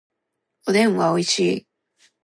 おでんはおいしい